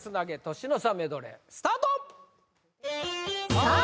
年の差メドレースタートさあ